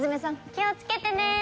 気をつけてね。